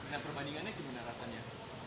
nah perbandingannya bagaimana rasanya